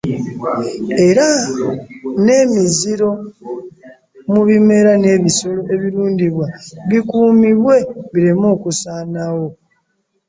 Era n'emiziro mu bimera n'ebisolo ebirundibwa bikuumibwe bireme okusaanawo